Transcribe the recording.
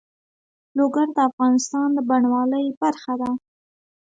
لوگر د افغانستان د بڼوالۍ برخه ده.